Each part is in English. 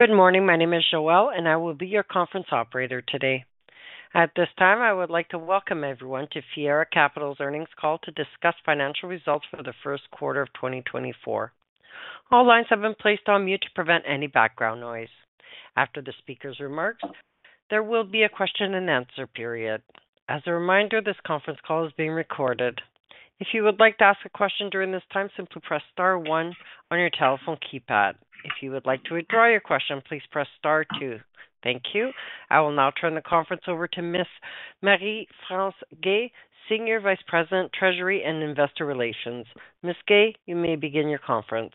Good morning, my name is Joelle, and I will be your conference operator today. At this time, I would like to welcome everyone to Fiera Capital's earnings call to discuss financial results for the first quarter of 2024. All lines have been placed on mute to prevent any background noise. After the speaker's remarks, there will be a question-and-answer period. As a reminder, this conference call is being recorded. If you would like to ask a question during this time, simply press star one on your telephone keypad. If you would like to withdraw your question, please press star two. Thank you. I will now turn the conference over to Ms. Marie-France Guay, Senior Vice President, Treasury and Investor Relations. Ms. Guay, you may begin your conference.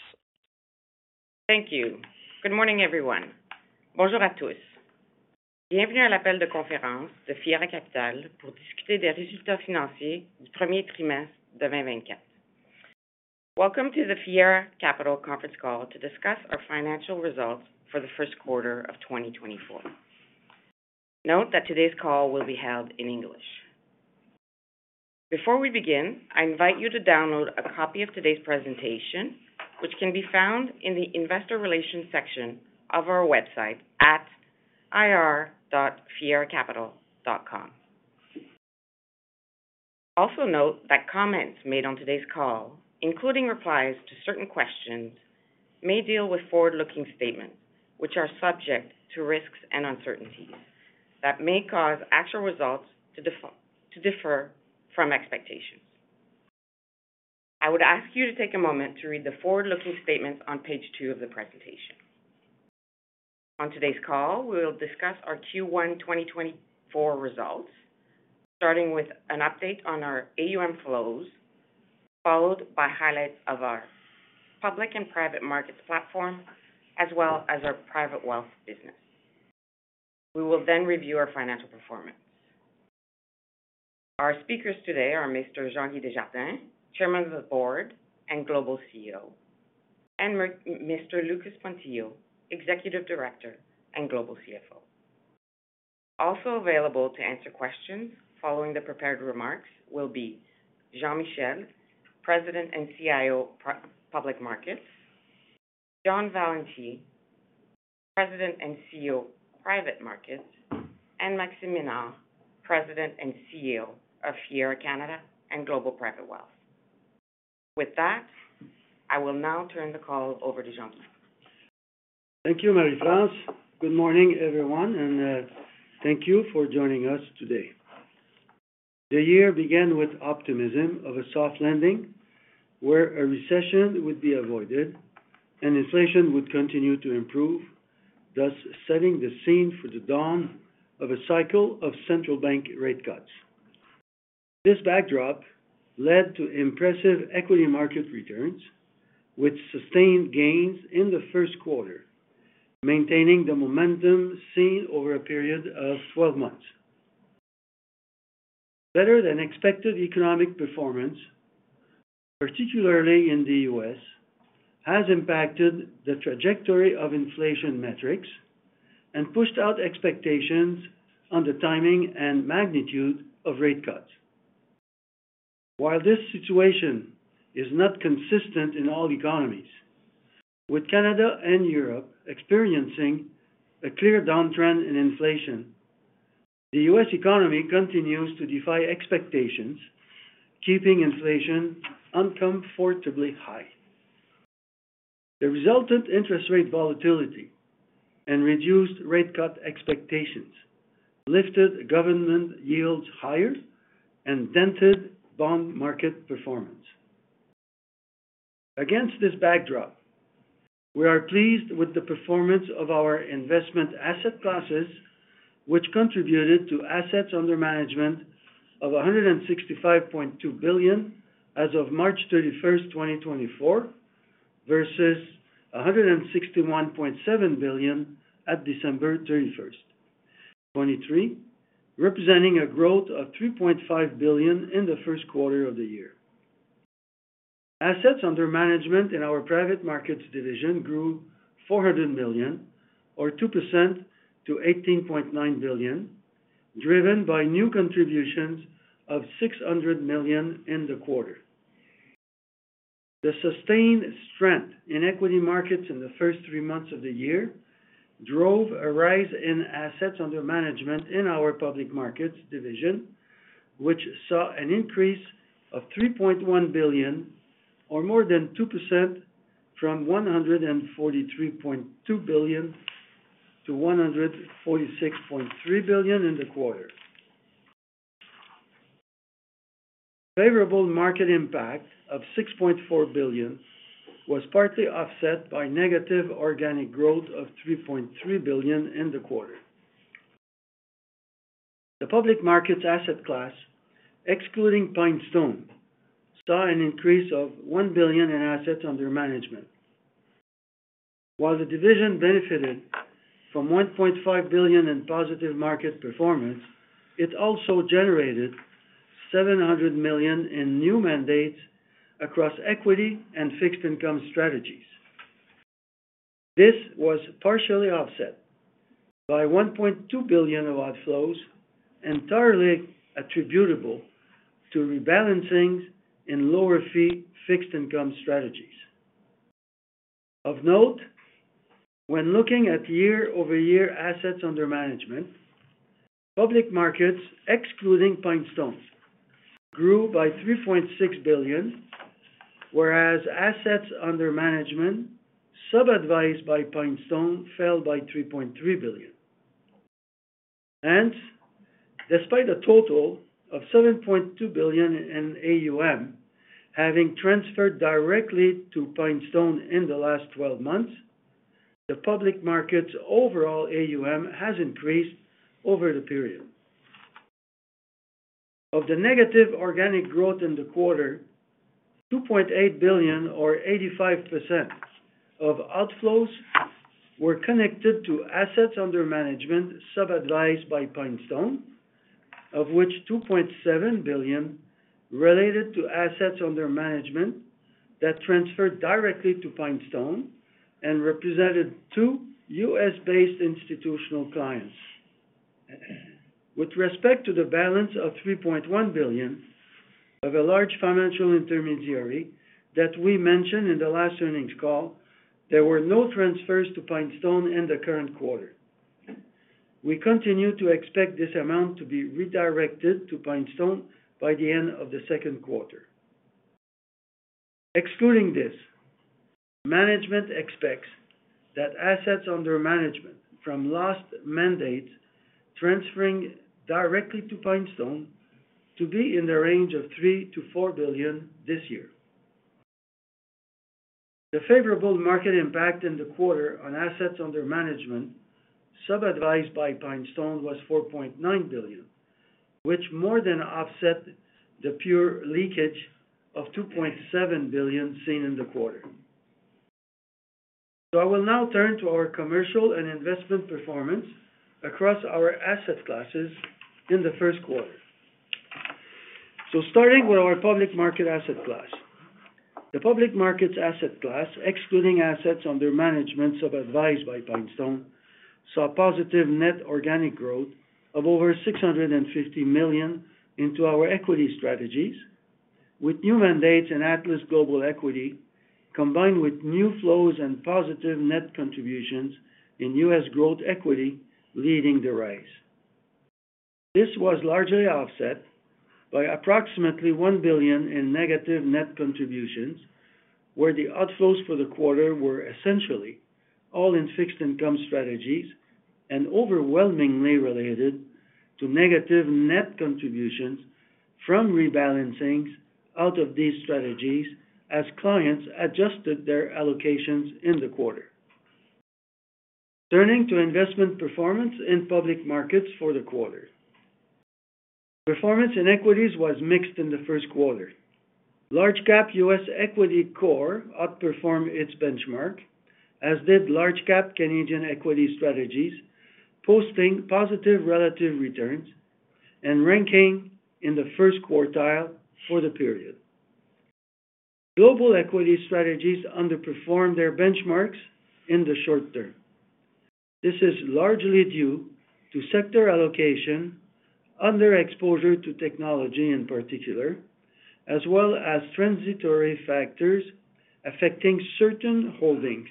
Thank you. Good morning, everyone. Bonjour à tous. Bienvenue à l'appel de conférence de Fiera Capital pour discuter des résultats financiers du premier trimestre 2024. Welcome to the Fiera Capital conference call to discuss our financial results for the first quarter of 2024. Note that today's call will be held in English. Before we begin, I invite you to download a copy of today's presentation, which can be found in the Investor Relations section of our website at ir.fieracapital.com. Also note that comments made on today's call, including replies to certain questions, may deal with forward-looking statements which are subject to risks and uncertainties that may cause actual results to differ from expectations. I would ask you to take a moment to read the forward-looking statements on page two of the presentation. On today's call, we will discuss our Q1 2024 results, starting with an update on our AUM flows, followed by highlights of our Public and Private Markets platform, as well as our private wealth business. We will then review our financial performance. Our speakers today are Mr. Jean-Guy Desjardins, Chairman of the Board and Global CEO, and Mr. Lucas Pontillo, Executive Director and Global CFO. Also available to answer questions following the prepared remarks will be Jean Michel, President and CIO Public Markets; John Valentini, President and CEO Private Markets; and Maxime Ménard, President and CEO of Fiera Canada and Global Private Wealth. With that, I will now turn the call over to Jean-Guy. Thank you, Marie-France. Good morning, everyone, and thank you for joining us today. The year began with optimism of a soft landing where a recession would be avoided, and inflation would continue to improve, thus setting the scene for the dawn of a cycle of central bank rate cuts. This backdrop led to impressive equity market returns, which sustained gains in the first quarter, maintaining the momentum seen over a period of 12 months. Better-than-expected economic performance, particularly in the U.S., has impacted the trajectory of inflation metrics and pushed out expectations on the timing and magnitude of rate cuts. While this situation is not consistent in all economies, with Canada and Europe experiencing a clear downtrend in inflation, the U.S. economy continues to defy expectations, keeping inflation uncomfortably high. The resultant interest rate volatility and reduced rate cut expectations lifted government yields higher and dented bond market performance. Against this backdrop, we are pleased with the performance of our investment asset classes, which contributed to assets under management of 165.2 billion as of March 31st, 2024, versus 161.7 billion at December 31st, 2023, representing a growth of CAD 3.5 billion in the first quarter of the year. Assets under management in our Private Markets Division grew 400 million, or 2%, to 18.9 billion, driven by new contributions of 600 million in the quarter. The sustained strength in equity markets in the first three months of the year drove a rise in assets under management in our Public Markets Division, which saw an increase of 3.1 billion, or more than 2%, from 143.2 billion to 146.3 billion in the quarter. The favorable market impact of 6.4 billion was partly offset by negative organic growth of 3.3 billion in the quarter. The Public Markets asset class, excluding PineStone, saw an increase of 1 billion in assets under management. While the division benefited from 1.5 billion in positive market performance, it also generated 700 million in new mandates across equity and fixed-income strategies. This was partially offset by 1.2 billion of outflows, entirely attributable to rebalancings in lower-fee fixed-income strategies. Of note, when looking at year-over-year assets under management, Public Markets, excluding PineStone, grew by 3.6 billion, whereas assets under management, sub-advised by PineStone, fell by 3.3 billion. And despite a total of 7.2 billion in AUM having transferred directly to PineStone in the last 12 months, the Public Markets' overall AUM has increased over the period. Of the negative organic growth in the quarter, 2.8 billion, or 85%, of outflows were connected to assets under management sub-advised by PineStone, of which 2.7 billion related to assets under management that transferred directly to PineStone and represented two U.S.-based institutional clients. With respect to the balance of 3.1 billion of a large financial intermediary that we mentioned in the last earnings call, there were no transfers to PineStone in the current quarter. We continue to expect this amount to be redirected to PineStone by the end of the second quarter. Excluding this, management expects that assets under management from lost mandates transferring directly to PineStone to be in the range of 3 billion-4 billion this year. The favorable market impact in the quarter on assets under management sub-advised by PineStone was 4.9 billion, which more than offset the pure leakage of 2.7 billion seen in the quarter. I will now turn to our commercial and investment performance across our asset classes in the first quarter. Starting with our Public Market asset class, the Public Markets asset class, excluding assets under management sub-advised by PineStone, saw positive net organic growth of over 650 million into our equity strategies, with new mandates in Atlas Global Equity combined with new flows and positive net contributions in U.S. Growth Equity leading the rise. This was largely offset by approximately 1 billion in negative net contributions, where the outflows for the quarter were essentially all in fixed-income strategies and overwhelmingly related to negative net contributions from rebalancings out of these strategies as clients adjusted their allocations in the quarter. Turning to investment performance in Public Markets for the quarter. Performance in equities was mixed in the first quarter. Large-cap U.S. equity core outperformed its benchmark, as did large-cap Canadian equity strategies, posting positive relative returns and ranking in the first quartile for the period. Global equity strategies underperformed their benchmarks in the short term. This is largely due to sector allocation, underexposure to technology in particular, as well as transitory factors affecting certain holdings.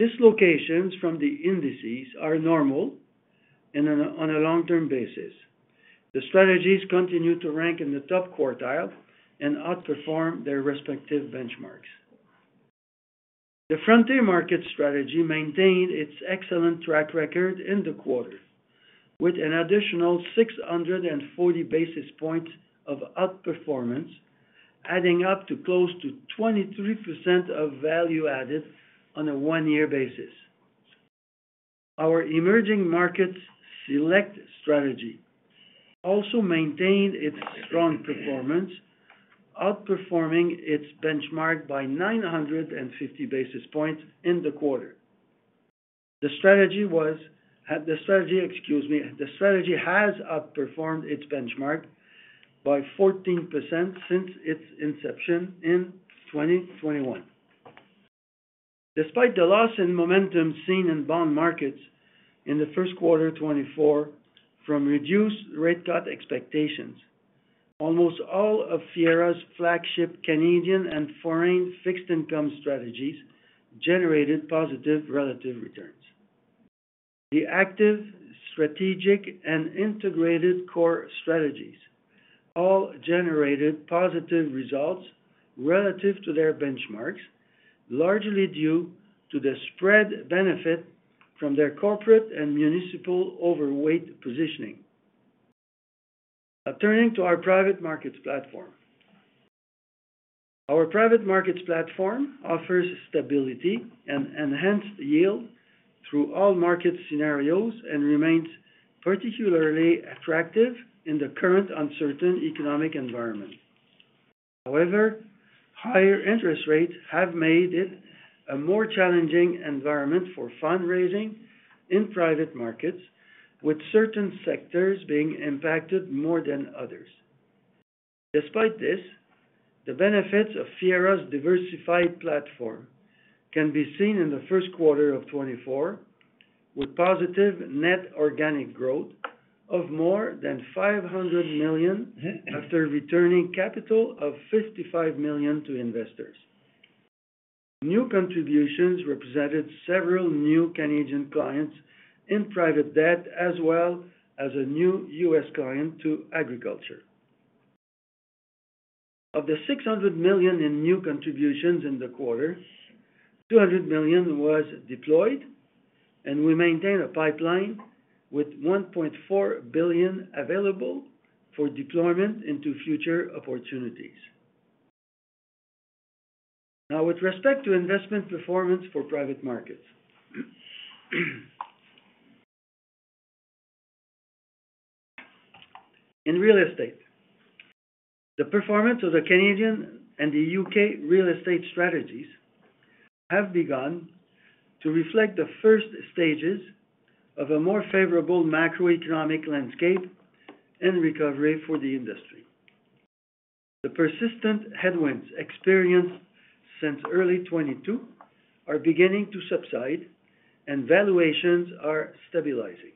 Dislocations from the indices are normal on a long-term basis. The strategies continue to rank in the top quartile and outperform their respective benchmarks. The frontier markets strategy maintained its excellent track record in the quarter, with an additional 640 basis points of outperformance, adding up to close to 23% of value added on a one-year basis. Our emerging markets select strategy also maintained its strong performance, outperforming its benchmark by 950 basis points in the quarter. The strategy was, excuse me, the strategy has outperformed its benchmark by 14% since its inception in 2021. Despite the loss in momentum seen in bond markets in the first quarter 2024 from reduced rate cut expectations, almost all of Fiera's flagship Canadian and foreign fixed-income strategies generated positive relative returns. The active strategic and integrated core strategies all generated positive results relative to their benchmarks, largely due to the spread benefit from their corporate and municipal overweight positioning. Turning to our private markets platform. Our private markets platform offers stability and enhanced yield through all market scenarios and remains particularly attractive in the current uncertain economic environment. However, higher interest rates have made it a more challenging environment for fundraising in private markets, with certain sectors being impacted more than others. Despite this, the benefits of Fiera's diversified platform can be seen in the first quarter of 2024, with positive net organic growth of more than 500 million after returning capital of 55 million to investors. New contributions represented several new Canadian clients in private debt, as well as a new U.S. client to agriculture. Of the 600 million in new contributions in the quarter, 200 million was deployed, and we maintain a pipeline with 1.4 billion available for deployment into future opportunities. Now, with respect to investment performance for private markets. In real estate, the performance of the Canadian and the U.K. Real estate strategies has begun to reflect the first stages of a more favorable macroeconomic landscape and recovery for the industry. The persistent headwinds experienced since early 2022 are beginning to subside, and valuations are stabilizing.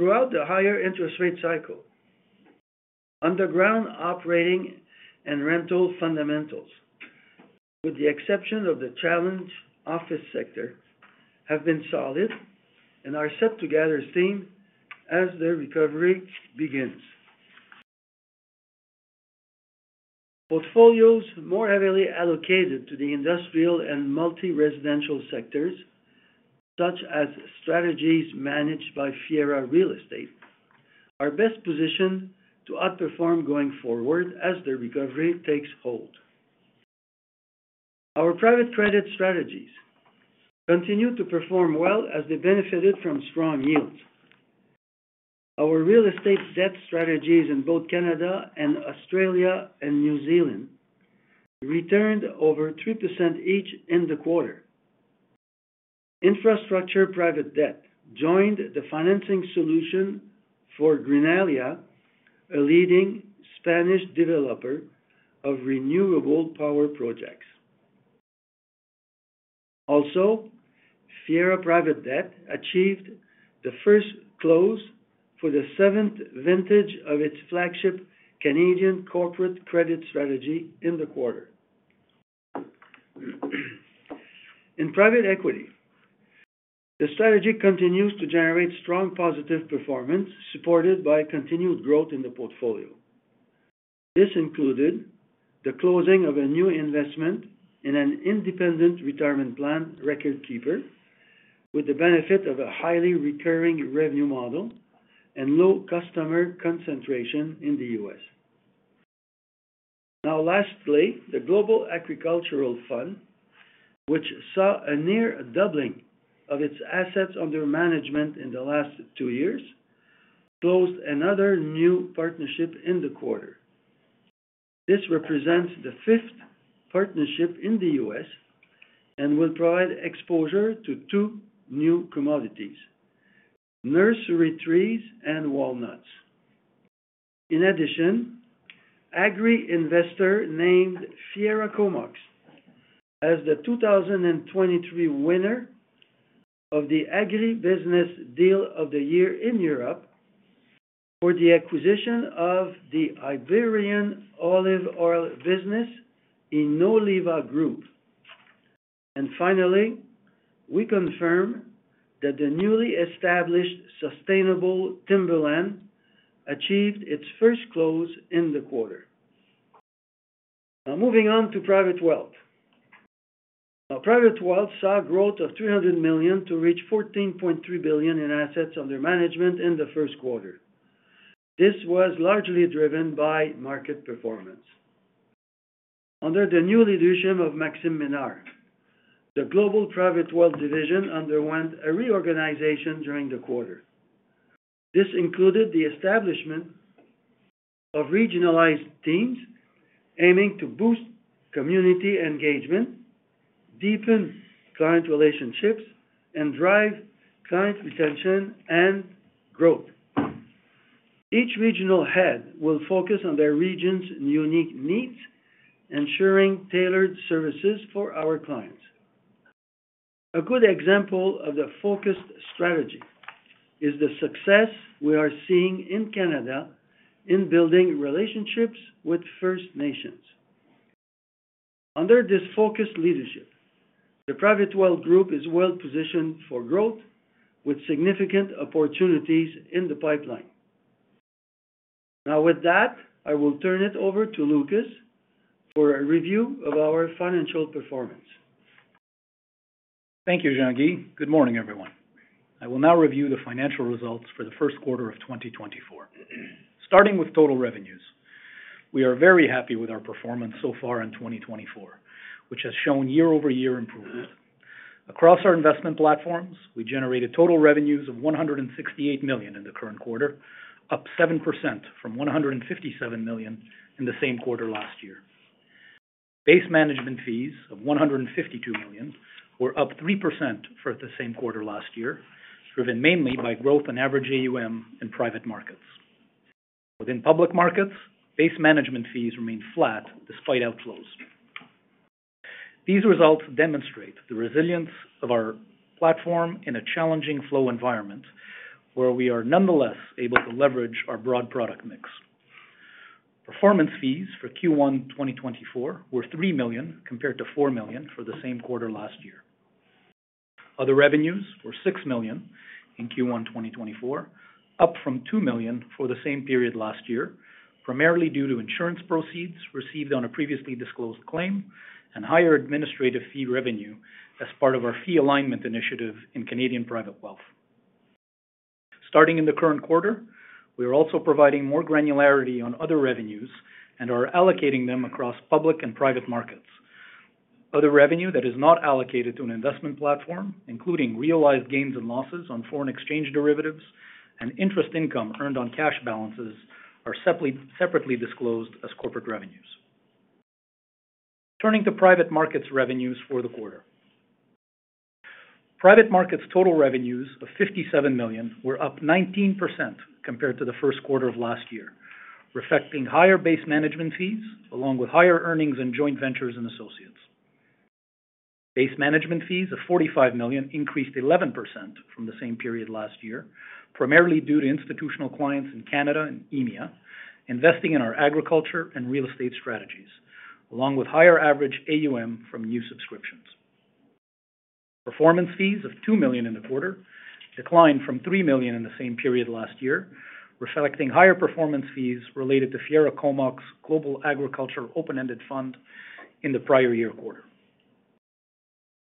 Throughout the higher interest rate cycle, underlying operating and rental fundamentals, with the exception of the challenged office sector, have been solid and are set to gather steam as the recovery begins. Portfolios more heavily allocated to the industrial and multi-residential sectors, such as strategies managed by Fiera Real Estate, are best positioned to outperform going forward as the recovery takes hold. Our private credit strategies continue to perform well as they benefited from strong yields. Our real estate debt strategies in both Canada and Australia and New Zealand returned over 3% each in the quarter. Infrastructure private debt joined the financing solution for Greenalia, a leading Spanish developer of renewable power projects. Also, Fiera Private Debt achieved the first close for the seventh vintage of its flagship Canadian Corporate Credit Strategy in the quarter. In private equity, the strategy continues to generate strong positive performance supported by continued growth in the portfolio. This included the closing of a new investment in an independent retirement plan record keeper, with the benefit of a highly recurring revenue model and low customer concentration in the U.S. Now, lastly, the Global Agricultural Fund, which saw a near doubling of its assets under management in the last two years, closed another new partnership in the quarter. This represents the fifth partnership in the U.S. and will provide exposure to two new commodities: nursery trees and walnuts. In addition, Agri Investor named Fiera Comox as the 2023 winner of the Agribusiness Deal of the Year in Europe for the acquisition of the Iberian olive oil business in Innoliva Group. And finally, we confirm that the newly established Sustainable Timberland achieved its first close in the quarter. Now, moving on to Private Wealth. Private Wealth saw growth of 300 million to reach 14.3 billion in assets under management in the first quarter. This was largely driven by market performance. Under the new leadership of Maxime Ménard, the Global Private Wealth Division underwent a reorganization during the quarter. This included the establishment of regionalized teams aiming to boost community engagement, deepen client relationships, and drive client retention and growth. Each regional head will focus on their region's unique needs, ensuring tailored services for our clients. A good example of the focused strategy is the success we are seeing in Canada in building relationships with First Nations. Under this focused leadership, the Private Wealth Group is well-positioned for growth, with significant opportunities in the pipeline. Now, with that, I will turn it over to Lucas for a review of our financial performance. Thank you, Jean-Guy. Good morning, everyone. I will now review the financial results for the first quarter of 2024. Starting with total revenues, we are very happy with our performance so far in 2024, which has shown year-over-year improvement. Across our investment platforms, we generated total revenues of 168 million in the current quarter, up 7% from 157 million in the same quarter last year. Base management fees of 152 million were up 3% for the same quarter last year, driven mainly by growth in average AUM in private markets. Within Public Markets, base management fees remain flat despite outflows. These results demonstrate the resilience of our platform in a challenging flow environment, where we are nonetheless able to leverage our broad product mix. Performance fees for Q1 2024 were 3 million compared to 4 million for the same quarter last year. Other revenues were 6 million in Q1 2024, up from 2 million for the same period last year, primarily due to insurance proceeds received on a previously disclosed claim and higher administrative fee revenue as part of our fee alignment initiative in Canadian private wealth. Starting in the current quarter, we are also providing more granularity on other revenues and are allocating them across Public and Private Markets. Other revenue that is not allocated to an investment platform, including realized gains and losses on foreign exchange derivatives and interest income earned on cash balances, are separately disclosed as corporate revenues. Turning to Private Markets revenues for the quarter. Private Markets total revenues of 57 million were up 19% compared to the first quarter of last year, reflecting higher base management fees along with higher earnings in joint ventures and associates. Base management fees of 45 million increased 11% from the same period last year, primarily due to institutional clients in Canada and EMEA investing in our agriculture and real estate strategies, along with higher average AUM from new subscriptions. Performance fees of 2 million in the quarter declined from 3 million in the same period last year, reflecting higher performance fees related to Fiera Comox Global Agriculture Open-Ended Fund in the prior year quarter.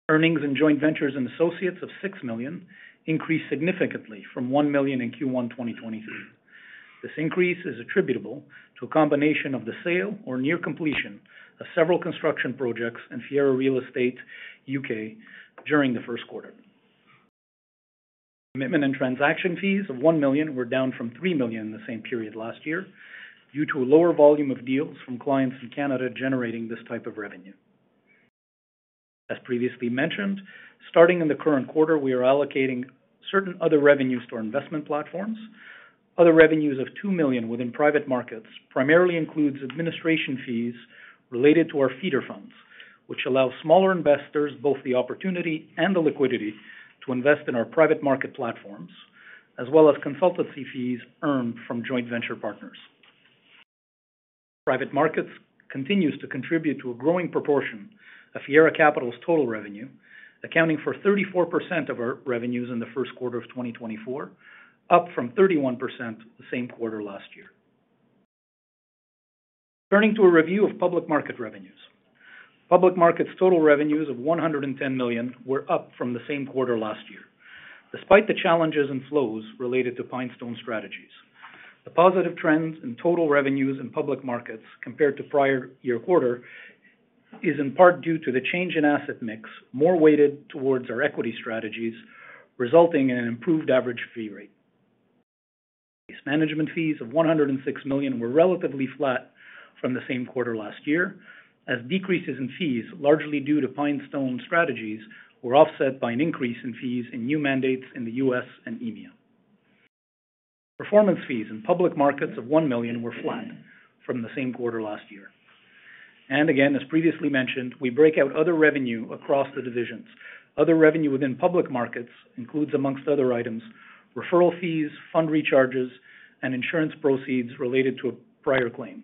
Earnings in joint ventures and associates of 6 million increased significantly from 1 million in Q1 2023. This increase is attributable to a combination of the sale or near completion of several construction projects in Fiera Real Estate, U.K., during the first quarter. Commitment and transaction fees of 1 million were down from 3 million in the same period last year due to a lower volume of deals from clients in Canada generating this type of revenue. As previously mentioned, starting in the current quarter, we are allocating certain other revenues to our investment platforms. Other revenues of 2 million within private markets primarily include administration fees related to our feeder funds, which allow smaller investors both the opportunity and the liquidity to invest in our private market platforms, as well as consultancy fees earned from joint venture partners. Private markets continue to contribute to a growing proportion of Fiera Capital's total revenue, accounting for 34% of our revenues in the first quarter of 2024, up from 31% the same quarter last year. Turning to a review of Public Market revenues. Public Markets' total revenues of 110 million were up from the same quarter last year, despite the challenges and flows related to PineStone strategies. The positive trends in total revenues in Public Markets compared to prior year quarter are in part due to the change in asset mix, more weighted towards our equity strategies, resulting in an improved average fee rate. Base management fees of 106 million were relatively flat from the same quarter last year, as decreases in fees, largely due to PineStone strategies, were offset by an increase in fees in new mandates in the U.S. and EMEA. Performance fees in Public Markets of 1 million were flat from the same quarter last year. And again, as previously mentioned, we break out other revenue across the divisions. Other revenue within Public Markets includes, among other items, referral fees, fund recharges, and insurance proceeds related to a prior claim.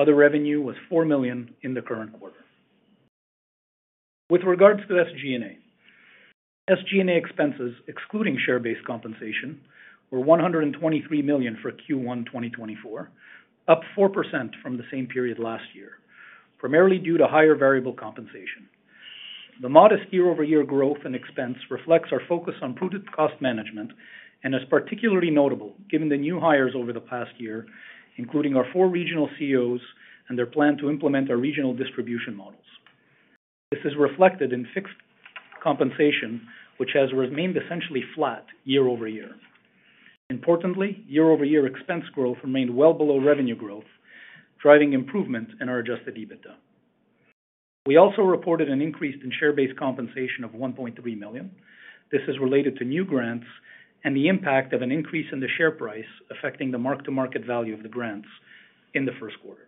Other revenue was 4 million in the current quarter. With regards to SG&A, SG&A expenses, excluding share-based compensation, were 123 million for Q1 2024, up 4% from the same period last year, primarily due to higher variable compensation. The modest year-over-year growth and expense reflects our focus on prudent cost management and is particularly notable given the new hires over the past year, including our four regional CEOs and their plan to implement our regional distribution models. This is reflected in fixed compensation, which has remained essentially flat year-over-year. Importantly, year-over-year expense growth remained well below revenue growth, driving improvement in our Adjusted EBITDA. We also reported an increase in share-based compensation of 1.3 million. This is related to new grants and the impact of an increase in the share price affecting the mark-to-market value of the grants in the first quarter.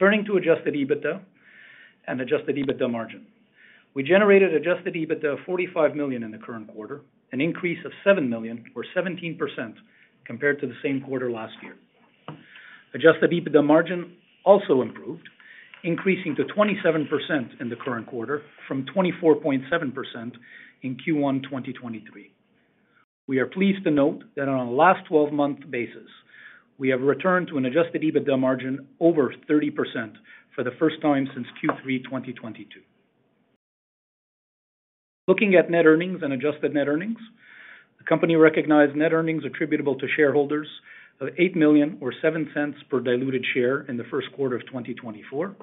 Turning to Adjusted EBITDA and Adjusted EBITDA margin. We generated Adjusted EBITDA of 45 million in the current quarter, an increase of 7 million, or 17%, compared to the same quarter last year. Adjusted EBITDA margin also improved, increasing to 27% in the current quarter from 24.7% in Q1 2023. We are pleased to note that on a last 12-month basis, we have returned to an Adjusted EBITDA margin over 30% for the first time since Q3 2022. Looking at net earnings and Adjusted net earnings, the company recognized net earnings attributable to shareholders of 8 million, or 0.07 per diluted share in the first quarter of 2024,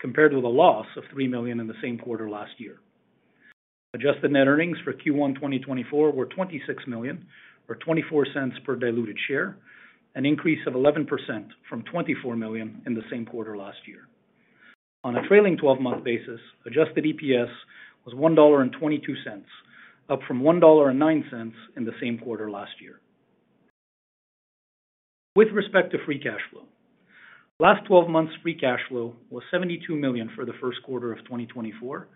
compared with a loss of 3 million in the same quarter last year. Adjusted net earnings for Q1 2024 were 26 million, or 0.24 per diluted share, an increase of 11% from 24 million in the same quarter last year. On a trailing 12-month basis, Adjusted EPS was 1.22 dollar, up from 1.09 dollar in the same quarter last year. With respect to free cash flow. Last 12 months' free cash flow was 72 million for the first quarter of 2024,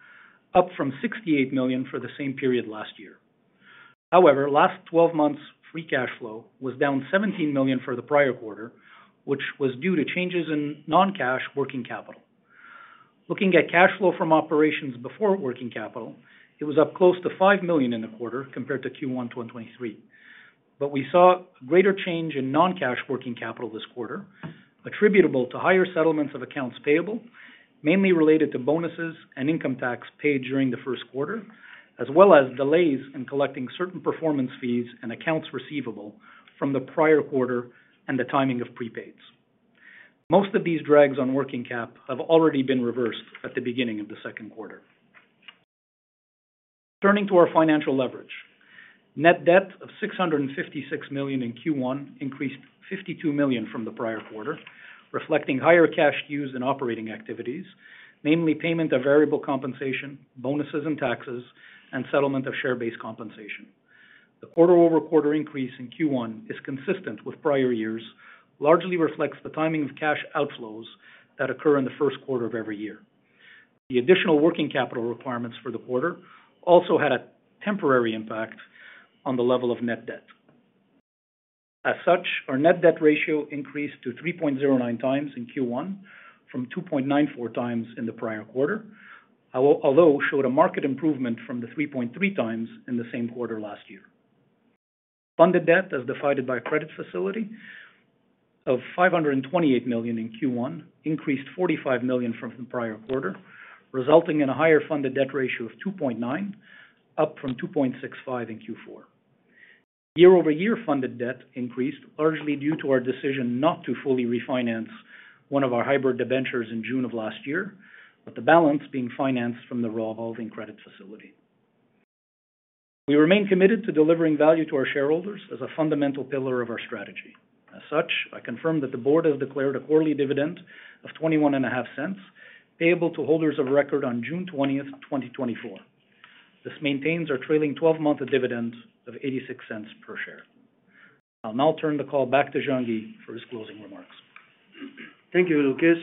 up from 68 million for the same period last year. However, last 12 months' free cash flow was down 17 million for the prior quarter, which was due to changes in non-cash working capital. Looking at cash flow from operations before working capital, it was up close to 5 million in the quarter compared to Q1 2023. But we saw a greater change in non-cash working capital this quarter, attributable to higher settlements of accounts payable, mainly related to bonuses and income tax paid during the first quarter, as well as delays in collecting certain performance fees and accounts receivable from the prior quarter and the timing of prepaids. Most of these drags on working cap have already been reversed at the beginning of the second quarter. Turning to our financial leverage. Net debt of 656 million in Q1 increased 52 million from the prior quarter, reflecting higher cash use in operating activities, mainly payment of variable compensation, bonuses and taxes, and settlement of share-based compensation. The quarter-over-quarter increase in Q1 is consistent with prior years, largely reflects the timing of cash outflows that occur in the first quarter of every year. The additional working capital requirements for the quarter also had a temporary impact on the level of net debt. As such, our net debt ratio increased to 3.09x in Q1 from 2.94x in the prior quarter, although showed a marked improvement from the 3.3x in the same quarter last year. Funded debt, as defined by credit facility, of 528 million in Q1 increased 45 million from the prior quarter, resulting in a higher funded debt ratio of 2.9x, up from 2.65x in Q4. Year-over-year funded debt increased largely due to our decision not to fully refinance one of our hybrid debentures in June of last year, with the balance being financed from the revolving credit facility. We remain committed to delivering value to our shareholders as a fundamental pillar of our strategy. As such, I confirm that the Board has declared a quarterly dividend of 0.215 payable to holders of record on June 20, 2024. This maintains our trailing 12-month dividend of 0.86 per share. I'll now turn the call back to Jean-Guy for his closing remarks. Thank you, Lucas.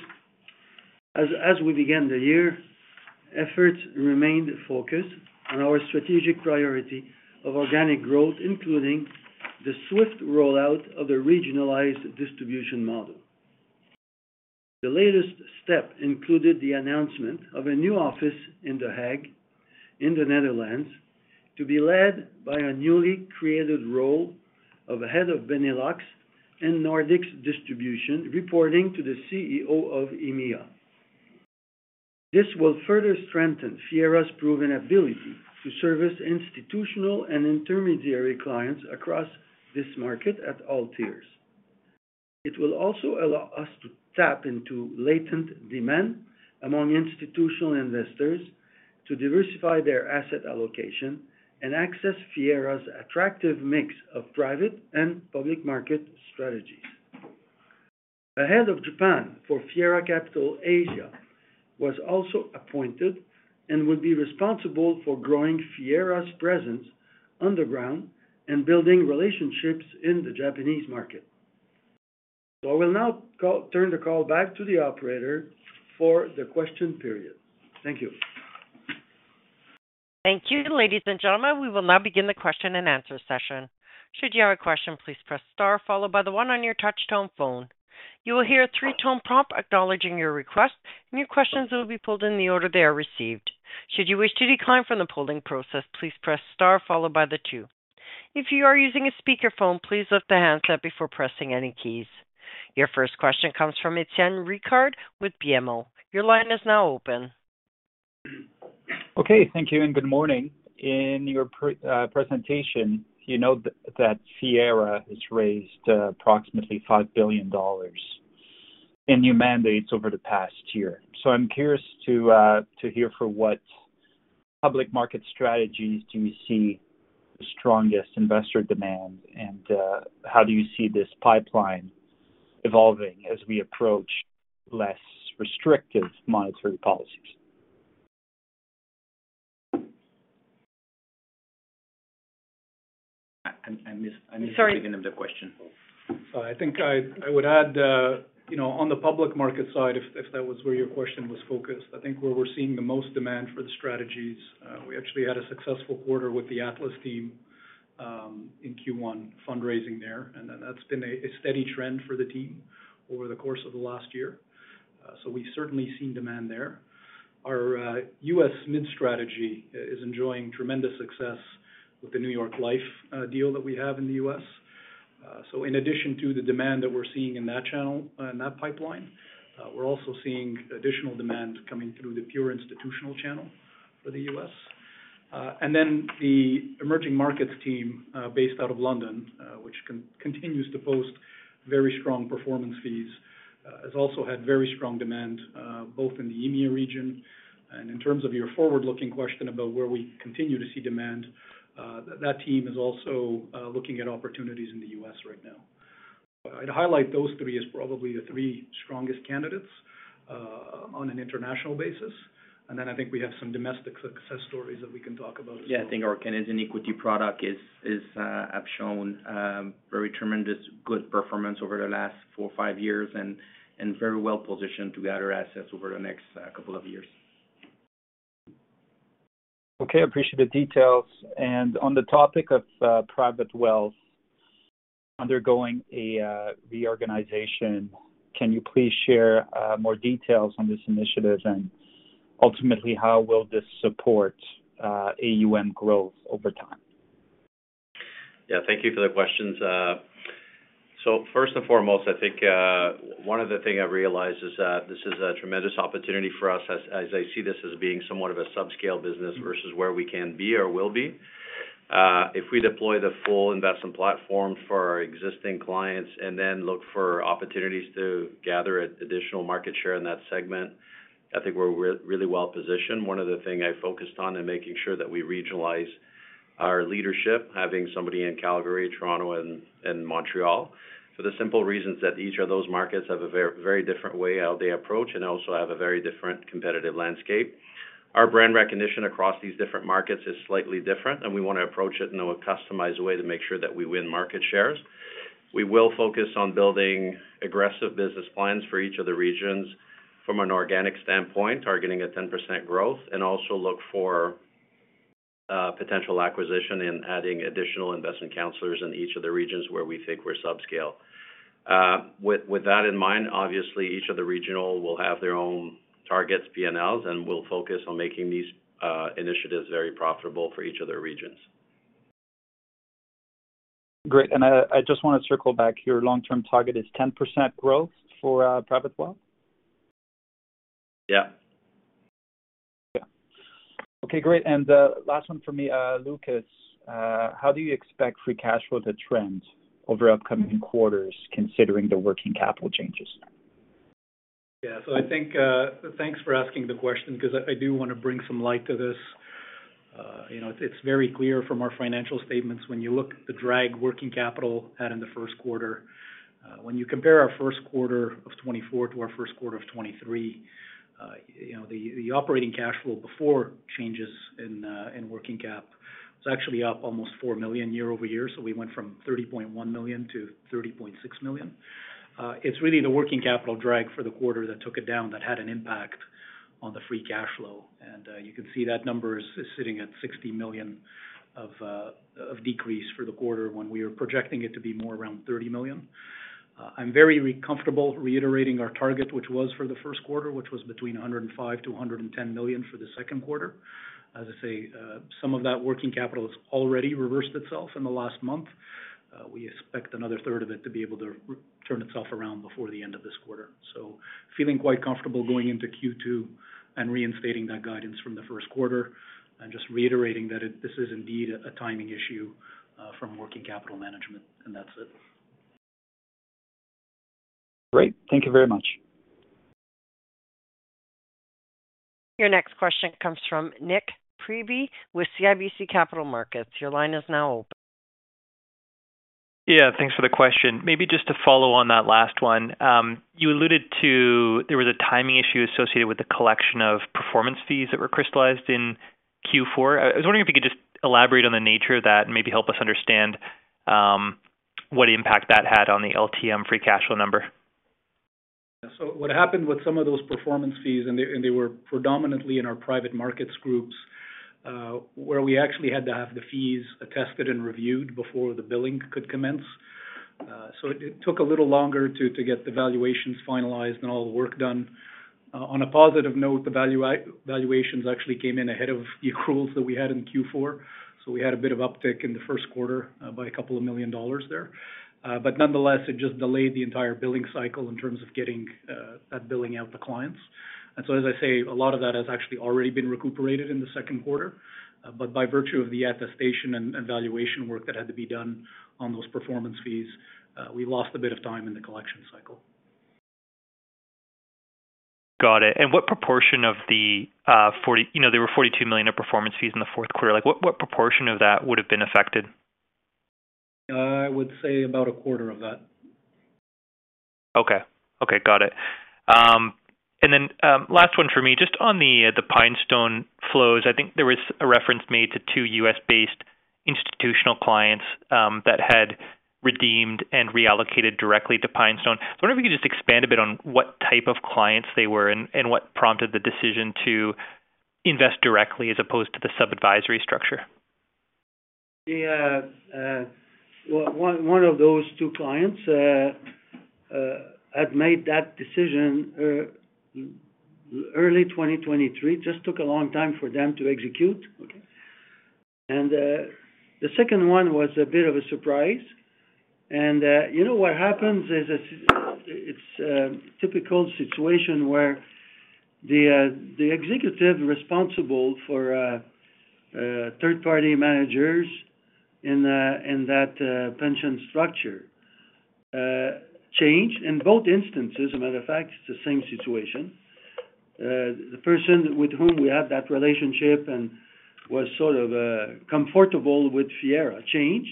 As we began the year, efforts remained focused on our strategic priority of organic growth, including the swift rollout of the regionalized distribution model. The latest step included the announcement of a new office in The Hague, in the Netherlands, to be led by a newly created role of Head of Benelux and Nordics Distribution, reporting to the CEO of EMEA. This will further strengthen Fiera's proven ability to service institutional and intermediary clients across this market at all tiers. It will also allow us to tap into latent demand among institutional investors to diversify their asset allocation and access Fiera's attractive mix of private and Public Market strategies. A Head of Japan for Fiera Capital Asia was also appointed and will be responsible for growing Fiera's presence on the ground and building relationships in the Japanese market. So I will now turn the call back to the operator for the question period. Thank you. Thank you, ladies and gentlemen. We will now begin the question-and-answer session. Should you have a question, please press star, followed by the one on your touch-tone phone. You will hear a three-tone prompt acknowledging your request, and your questions will be pulled in the order they are received. Should you wish to decline from the polling process, please press star, followed by the two. If you are using a speakerphone, please lift the handset before pressing any keys. Your first question comes from Etienne Ricard with BMO. Your line is now open. Okay. Thank you and good morning. In your presentation, you know that Fiera has raised approximately 5 billion dollars in new mandates over the past year. So I'm curious to hear for what Public Market strategies do you see the strongest investor demand, and how do you see this pipeline evolving as we approach less restrictive monetary policies? I missed beginning of the question. Sorry. I think I would add, on the Public Market side, if that was where your question was focused, I think where we're seeing the most demand for the strategies we actually had a successful quarter with the Atlas team in Q1 fundraising there, and that's been a steady trend for the team over the course of the last year. So we've certainly seen demand there. Our U.S. Mid-Cap is enjoying tremendous success with the New York Life deal that we have in the U.S. So in addition to the demand that we're seeing in that channel in that pipeline, we're also seeing additional demand coming through the pure institutional channel for the U.S. And then the emerging markets team based out of London, which continues to post very strong performance fees, has also had very strong demand both in the EMEA region. In terms of your forward-looking question about where we continue to see demand, that team is also looking at opportunities in the U.S. right now. I'd highlight those three as probably the three strongest candidates on an international basis. Then I think we have some domestic success stories that we can talk about as well. Yeah. I think our Canadian equity product has shown very tremendous good performance over the last 4-5 years, and very well-positioned to gather assets over the next couple of years. Okay. I appreciate the details. On the topic of private wealth undergoing a reorganization, can you please share more details on this initiative, and ultimately, how will this support AUM growth over time? Yeah. Thank you for the questions. First and foremost, I think one of the things I realize is that this is a tremendous opportunity for us as I see this as being somewhat of a subscale business versus where we can be or will be. If we deploy the full investment platform for our existing clients and then look for opportunities to gather additional market share in that segment, I think we're really well-positioned. One of the things I focused on in making sure that we regionalize our leadership, having somebody in Calgary, Toronto, and Montreal, for the simple reasons that each of those markets have a very different way how they approach and also have a very different competitive landscape. Our brand recognition across these different markets is slightly different, and we want to approach it in a customized way to make sure that we win market share. We will focus on building aggressive business plans for each of the regions from an organic standpoint, targeting a 10% growth, and also look for potential acquisition in adding additional investment counselors in each of the regions where we think we're subscale. With that in mind, obviously, each of the regional will have their own targets, P&Ls, and will focus on making these initiatives very profitable for each of their regions. Great. And I just want to circle back here. Long-term target is 10% growth for private wealth? Yeah. Yeah. Okay. Great. And last one for me, Lucas. How do you expect free cash flow to trend over the upcoming quarters, considering the working capital changes? Yeah. So I think thanks for asking the question because I do want to bring some light to this. It's very clear from our financial statements when you look at the drag working capital had in the first quarter. When you compare our first quarter of 2024 to our first quarter of 2023, the operating cash flow before changes in working cap is actually up almost 4 million year-over-year. So we went from 30.1 million to 30.6 million. It's really the working capital drag for the quarter that took it down that had an impact on the free cash flow. And you can see that number is sitting at 60 million of decrease for the quarter when we were projecting it to be more around 30 million. I'm very comfortable reiterating our target, which was for the first quarter, which was between 105 million-110 million for the second quarter. As I say, some of that working capital has already reversed itself in the last month. We expect another third of it to be able to turn itself around before the end of this quarter. So, feeling quite comfortable going into Q2 and reinstating that guidance from the first quarter and just reiterating that this is indeed a timing issue from working capital management, and that's it. Great. Thank you very much. Your next question comes from Nik Priebe with CIBC Capital Markets. Your line is now open. Yeah. Thanks for the question. Maybe just to follow on that last one, you alluded to there was a timing issue associated with the collection of performance fees that were crystallized in Q4. I was wondering if you could just elaborate on the nature of that and maybe help us understand what impact that had on the LTM free cash flow number. Yeah. So what happened with some of those performance fees, and they were predominantly in our private markets groups, where we actually had to have the fees attested and reviewed before the billing could commence. So it took a little longer to get the valuations finalized and all the work done. On a positive note, the valuations actually came in ahead of the accruals that we had in Q4. So we had a bit of uptick in the first quarter by 2 million dollars there. But nonetheless, it just delayed the entire billing cycle in terms of getting that billing out to clients. And so, as I say, a lot of that has actually already been recuperated in the second quarter. But by virtue of the attestation and valuation work that had to be done on those performance fees, we lost a bit of time in the collection cycle. Got it. What proportion of the 40, there were 42 million of performance fees in the fourth quarter? What proportion of that would have been affected? I would say about a quarter of that. Okay. Okay. Got it. And then last one for me. Just on the PineStone flows, I think there was a reference made to two U.S.-based institutional clients that had redeemed and reallocated directly to PineStone. So I wonder if you could just expand a bit on what type of clients they were and what prompted the decision to invest directly as opposed to the sub-advisory structure. Yeah. Well, one of those two clients had made that decision early 2023. It just took a long time for them to execute. And the second one was a bit of a surprise. And you know what happens is it's a typical situation where the executive responsible for third-party managers in that pension structure changed. In both instances, as a matter of fact, it's the same situation. The person with whom we had that relationship and was sort of comfortable with Fiera changed.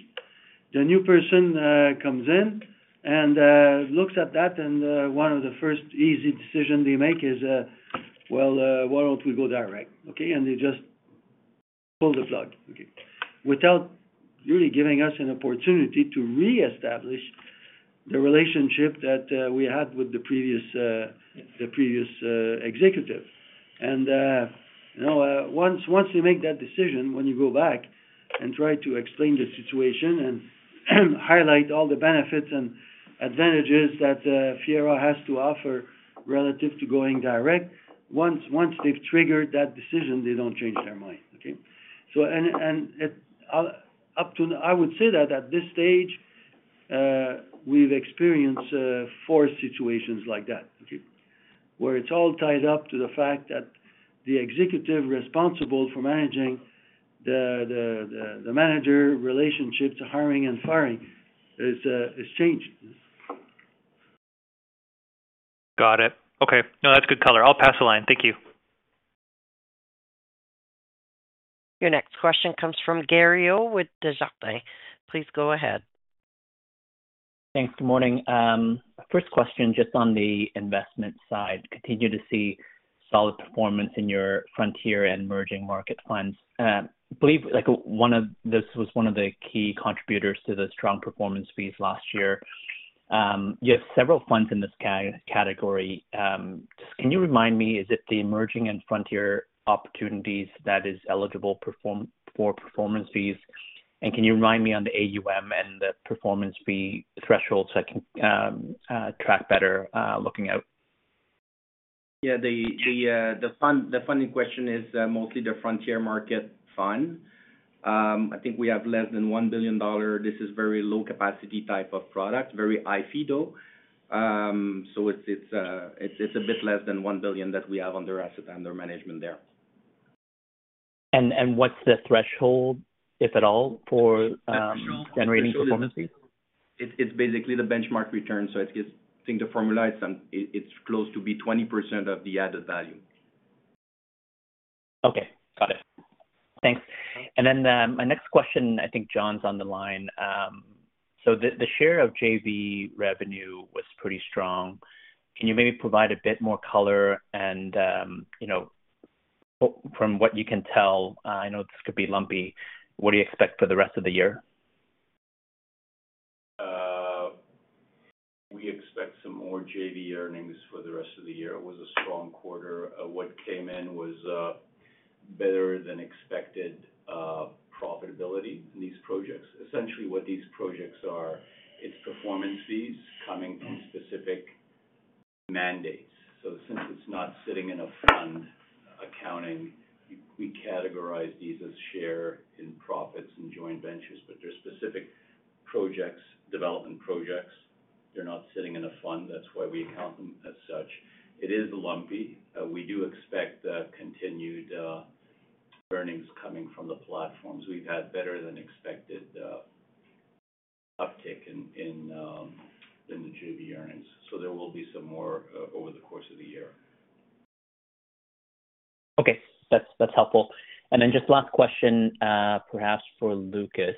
The new person comes in and looks at that, and one of the first easy decisions they make is, "Well, why don't we go direct?" Okay? And they just pull the plug, okay, without really giving us an opportunity to reestablish the relationship that we had with the previous executive. And once they make that decision, when you go back and try to explain the situation and highlight all the benefits and advantages that Fiera has to offer relative to going direct, once they've triggered that decision, they don't change their mind, okay? And I would say that at this stage, we've experienced four situations like that, okay, where it's all tied up to the fact that the executive responsible for managing the manager relationship to hiring and firing has changed. Got it. Okay. No, that's good color. I'll pass the line. Thank you. Your next question comes from Gary Ho with Desjardins. Please go ahead. Thanks. Good morning. First question, just on the investment side. Continue to see solid performance in your frontier and emerging market funds. I believe this was one of the key contributors to the strong performance fees last year. You have several funds in this category. Just can you remind me, is it the emerging and frontier opportunities that is eligible for performance fees? And can you remind me of the AUM and the performance fee threshold so I can track better, looking out? Yeah. The funding question is mostly the Frontier Markets fund. I think we have less than 1 billion dollar. This is a very low-capacity type of product, very IFI, though. So it's a bit less than 1 billion that we have under assets under management there. And what's the threshold, if at all, for generating performance fees? It's basically the benchmark return. So I think the formula it's close to be 20% of the added value. Okay. Got it. Thanks. And then my next question, I think John's on the line. So the share of JV revenue was pretty strong. Can you maybe provide a bit more color and, from what you can tell - I know this could be lumpy - what do you expect for the rest of the year? We expect some more JV earnings for the rest of the year. It was a strong quarter. What came in was better than expected profitability in these projects. Essentially, what these projects are, it's performance fees coming from specific mandates. So, since it's not sitting in a fund accounting, we categorize these as share in profits and joint ventures. But they're specific development projects. They're not sitting in a fund. That's why we account them as such. It is lumpy. We do expect continued earnings coming from the platforms. We've had better-than-expected uptick in the JV earnings. So there will be some more over the course of the year. Okay. That's helpful. And then just last question, perhaps, for Lucas.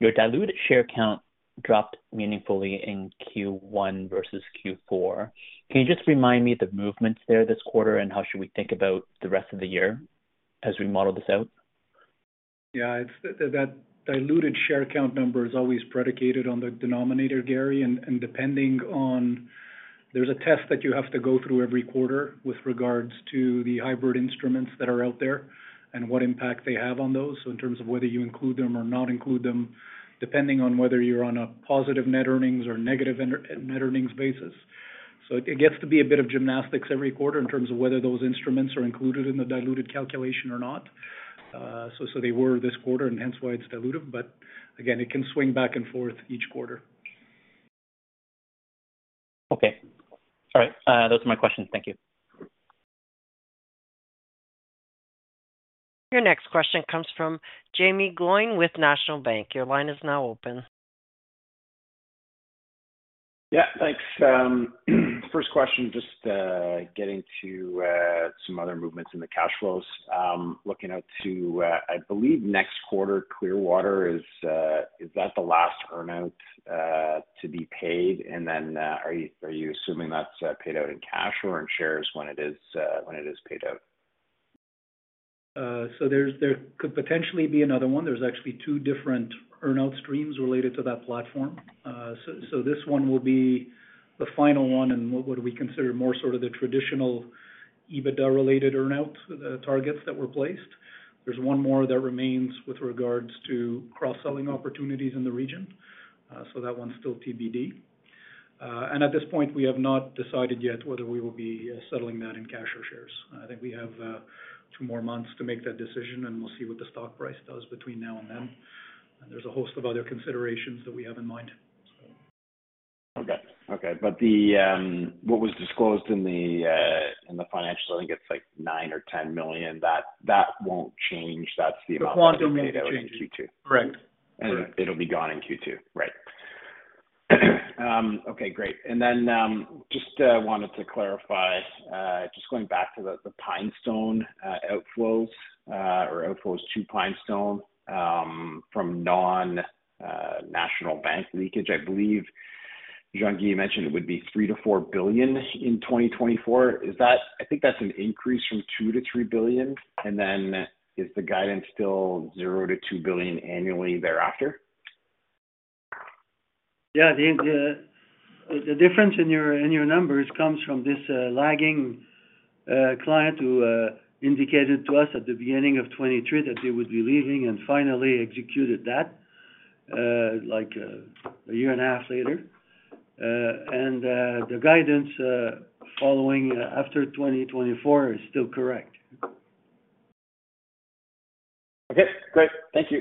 Your diluted share count dropped meaningfully in Q1 versus Q4. Can you just remind me of the movements there this quarter and how should we think about the rest of the year as we model this out? Yeah. That diluted share count number is always predicated on the denominator, Gary. There's a test that you have to go through every quarter with regards to the hybrid instruments that are out there and what impact they have on those, so in terms of whether you include them or not include them, depending on whether you're on a positive net earnings or negative net earnings basis. So it gets to be a bit of gymnastics every quarter in terms of whether those instruments are included in the diluted calculation or not. So they were this quarter, and hence why it's diluted. But again, it can swing back and forth each quarter. Okay. All right. Those are my questions. Thank you. Your next question comes from Jaeme Gloyn with National Bank. Your line is now open. Yeah. Thanks. First question, just getting to some other movements in the cash flows. Looking out to, I believe, next quarter, Clearwater, is that the last earnout to be paid? And then are you assuming that's paid out in cash or in shares when it is paid out? So there could potentially be another one. There's actually two different earnout streams related to that platform. So this one will be the final one in what we consider more sort of the traditional EBITDA-related earnout targets that were placed. There's one more that remains with regards to cross-selling opportunities in the region. So that one's still TBD. And at this point, we have not decided yet whether we will be settling that in cash or shares. I think we have two more months to make that decision, and we'll see what the stock price does between now and then. And there's a host of other considerations that we have in mind, so. Okay. Okay. But what was disclosed in the financials, I think it's like 9 million or 10 million. That won't change. That's the amount of data that came out in Q2 Correct. And it'll be gone in Q2. Right. Okay. Great. And then just wanted to clarify, just going back to the PineStone outflows or outflows to PineStone from non-National Bank leakage, I believe Jean-Guy mentioned it would be 3 billion-4 billion in 2024. I think that's an increase from 2 billion-3 billion. And then is the guidance still 0 billion-2 billion annually thereafter? Yeah. The difference in your numbers comes from this lagging client who indicated to us at the beginning of 2023 that they would be leaving and finally executed that a year and a half later. And the guidance following after 2024 is still correct. Okay. Great. Thank you.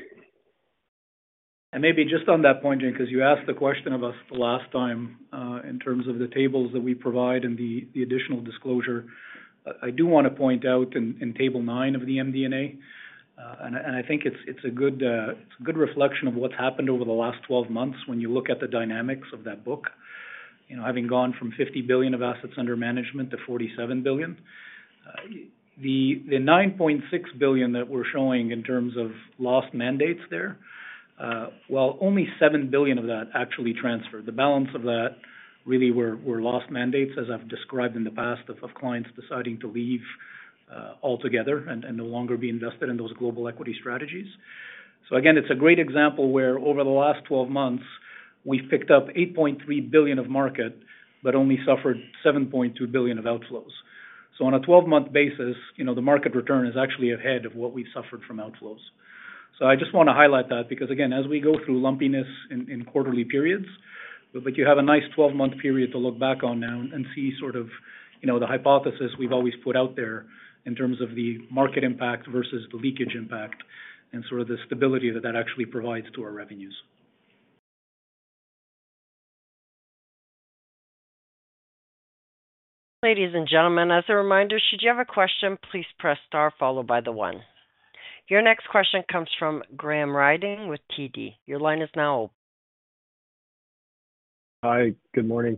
Maybe just on that point, Jean, because you asked the question of us the last time in terms of the tables that we provide and the additional disclosure, I do want to point out in Table 9 of the MD&A. I think it's a good reflection of what's happened over the last 12 months when you look at the dynamics of that book, having gone from 50 billion of assets under management to 47 billion. The 9.6 billion that we're showing in terms of lost mandates there, well, only 7 billion of that actually transferred. The balance of that really were lost mandates, as I've described in the past, of clients deciding to leave altogether and no longer be invested in those global equity strategies. So again, it's a great example where, over the last 12 months, we've picked up 8.3 billion of market but only suffered 7.2 billion of outflows. So on a 12-month basis, the market return is actually ahead of what we've suffered from outflows. So I just want to highlight that because, again, as we go through lumpiness in quarterly periods, but you have a nice 12-month period to look back on now and see sort of the hypothesis we've always put out there in terms of the market impact versus the leakage impact and sort of the stability that that actually provides to our revenues. Ladies and gentlemen, as a reminder, should you have a question, please press star followed by the one. Your next question comes from Graham Ryding with TD. Your line is now open. Hi. Good morning.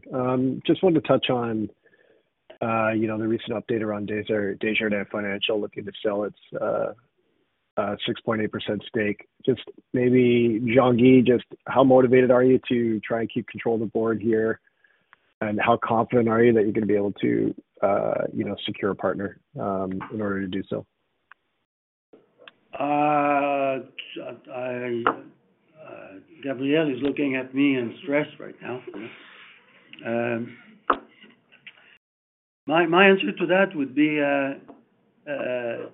Just wanted to touch on the recent update around Desjardins Financial, looking to sell its 6.8% stake. Jean-Guy, just how motivated are you to try and keep control of the board here, and how confident are you that you're going to be able to secure a partner in order to do so? Gabriel is looking at me and stressed right now. My answer to that would be 200%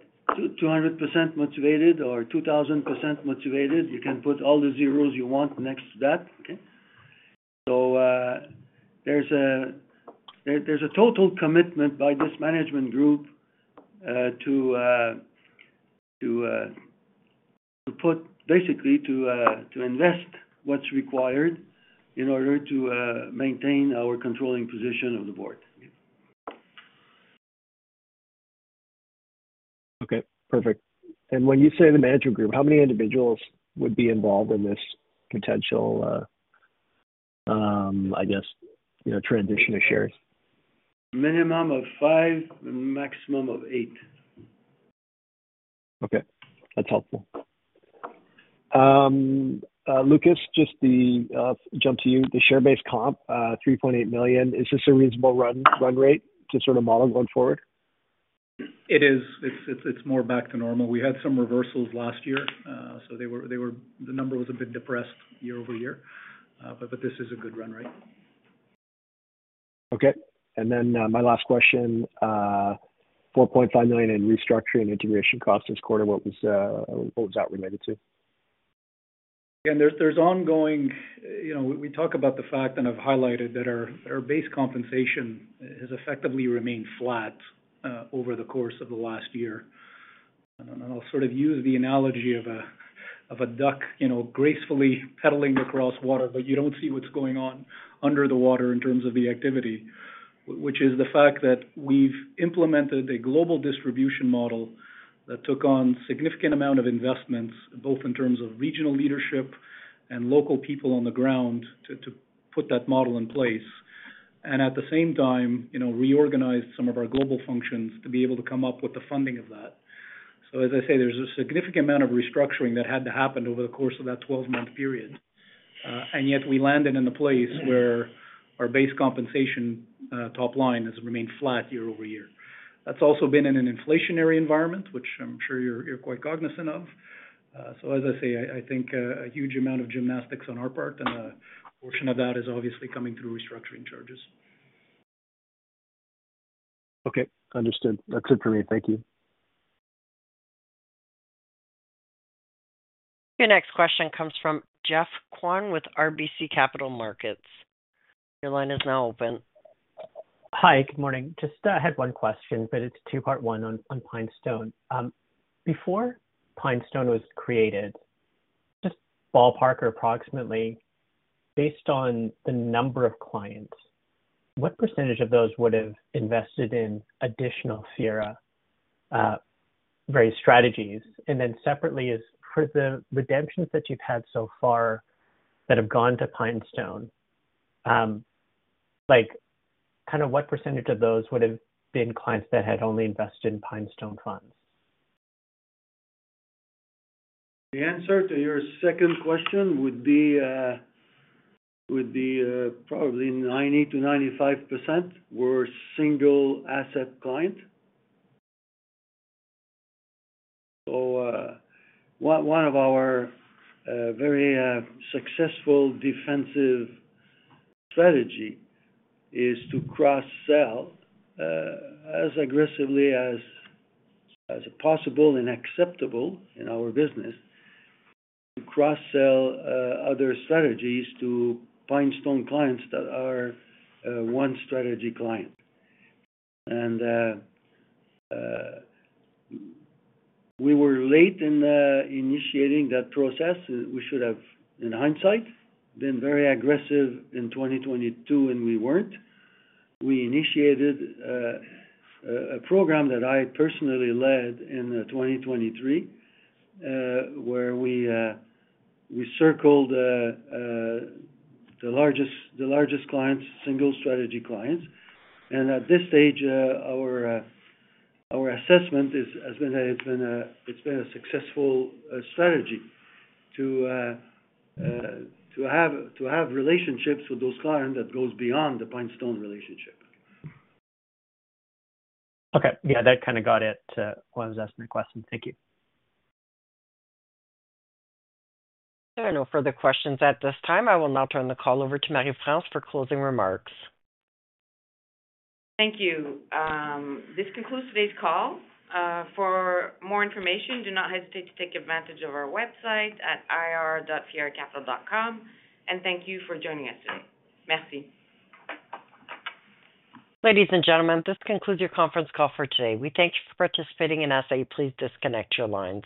motivated or 2,000% motivated. You can put all the zeros you want next to that, okay? So there's a total commitment by this management group to put basically to invest what's required in order to maintain our controlling position of the board, okay? Okay. Perfect. And when you say the management group, how many individuals would be involved in this potential, I guess, transition of shares? Minimum of five and maximum of eight. Okay. That's helpful. Lucas, just to jump to you, the share-based comp, 3.8 million, is this a reasonable run rate to sort of model going forward? It is. It's more back to normal. We had some reversals last year, so the number was a bit depressed year-over-year. But this is a good run rate. Okay. And then my last question, 4.5 million in restructuring integration costs this quarter, what was that related to? Again, there's ongoing we talk about the fact, and I've highlighted, that our base compensation has effectively remained flat over the course of the last year. I'll sort of use the analogy of a duck gracefully paddling across water, but you don't see what's going on under the water in terms of the activity, which is the fact that we've implemented a global distribution model that took on a significant amount of investments, both in terms of regional leadership and local people on the ground, to put that model in place and, at the same time, reorganized some of our global functions to be able to come up with the funding of that. So as I say, there's a significant amount of restructuring that had to happen over the course of that 12-month period. Yet, we landed in a place where our base compensation top line has remained flat year-over-year. That's also been in an inflationary environment, which I'm sure you're quite cognizant of. So as I say, I think a huge amount of gymnastics on our part, and a portion of that is obviously coming through restructuring charges. Okay. Understood. That's it for me. Thank you. Your next question comes from Geoff Kwan with RBC Capital Markets. Your line is now open. Hi. Good morning. Just had one question, but it's a two-part one on PineStone. Before PineStone was created, just ballpark or approximately, based on the number of clients, what percentage of those would have invested in additional Fiera variety strategies? And then separately, for the redemptions that you've had so far that have gone to PineStone, kind of what percentage of those would have been clients that had only invested in PineStone funds? The answer to your second question would be probably 90%-95% were single-asset clients. So one of our very successful defensive strategies is to cross-sell as aggressively as possible and is acceptable in our business to cross-sell other strategies to PineStone clients that are one-strategy clients. And we were late in initiating that process. We should have, in hindsight, been very aggressive in 2022, and we weren't. We initiated a program that I personally led in 2023 where we circled the largest clients, single-strategy clients. And at this stage, our assessment has been that it's been a successful strategy to have relationships with those clients that go beyond the PineStone relationship, okay? Okay. Yeah. That kind of got it to why I was asking that question. Thank you. There are no further questions at this time. I will now turn the call over to Marie-France for closing remarks. Thank you. This concludes today's call. For more information, do not hesitate to take advantage of our website at ir.fieracapital.com. Thank you for joining us today. Merci. Ladies and gentlemen, this concludes your conference call for today. We thank you for participating in us. Please disconnect your lines.